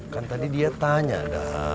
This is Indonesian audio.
kan tadi dia tanya